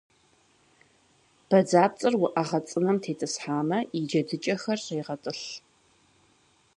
Бадзапцӏэр уӏэгъэ цӏынэм тетӏысхьэмэ, и джэдыкӏэхэр щегъэтӏылъ.